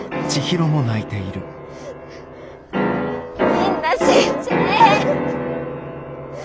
みんな死んじゃえ。